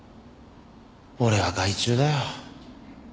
俺は害虫だよ。